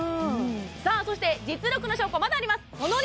そして実力の証拠まだあります出た！